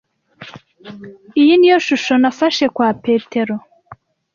Iyi niyo shusho nafashe kwa Petero.